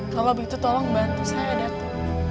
kalau begitu tolong bantu saya datang